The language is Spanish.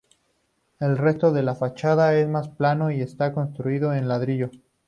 El resto de la fachada es más plano y está construido en ladrillo.